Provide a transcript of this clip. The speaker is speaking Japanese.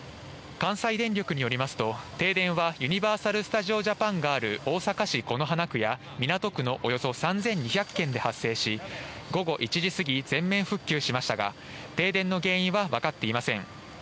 関西電力によりますと、停電はユニバーサル・スタジオ・ジャパンがある大阪市此花区や港区のおよそ３２００軒で発生し、午後１時過ぎ、全面復旧しましたが、停電の原因は分かっていません。